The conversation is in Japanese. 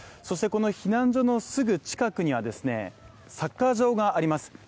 そしてこの避難所のすぐ近くには、サッカー場があります。